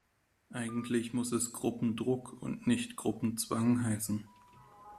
Eigentlich muss es Gruppendruck und nicht Gruppenzwang heißen.